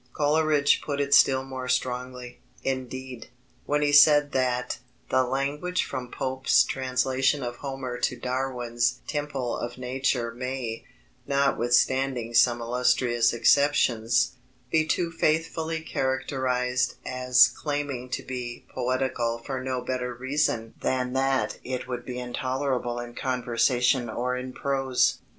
Coleridge put it still more strongly, indeed, when he said that "the language from Pope's translation of Homer to Darwin's Temple of Nature may, notwithstanding some illustrious exceptions, be too faithfully characterized as claiming to be poetical for no better reason than that it would be intolerable in conversation or in prose."